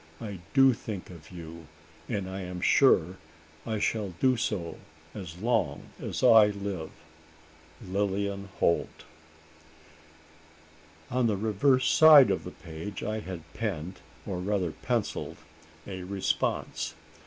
I do think of you; and I am sure I shall do so as long as I live. "Lilian Holt." On the reverse side of the page I had penned, or rather pencilled, a response.